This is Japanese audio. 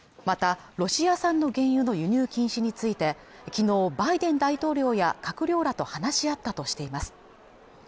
またロシア産の原油の輸入禁止についてきのうバイデン大統領や閣僚らと話し合ったとしています